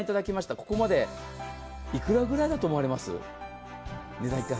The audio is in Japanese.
ここまで幾らくらいだと思われます？